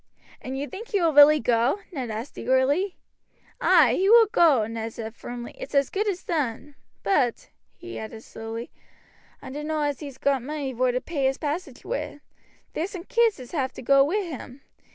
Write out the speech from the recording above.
"And you think he will really go?" Ned asked eagerly. "Ay, he will go," Luke said firmly, "it's as good as done; but," he added slowly, "I dunno as he's got money vor to pay his passage wi'. There's some kids as have to go wi' him.